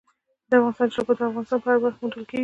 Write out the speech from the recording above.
د افغانستان جلکو د افغانستان په هره برخه کې موندل کېږي.